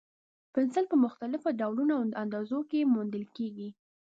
پنسل په مختلفو ډولونو او اندازو کې موندل کېږي.